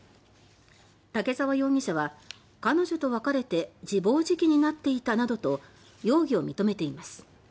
竹澤容疑者は「彼女と別れて自暴自棄になっていた」などと容疑を認めています。